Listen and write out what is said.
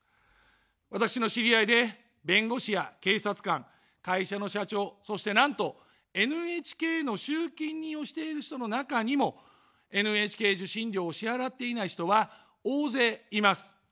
私の知り合いで弁護士や警察官、会社の社長、そして、なんとＮＨＫの集金人をしている人の中にもＮＨＫ受信料を支払っていない人は大勢います。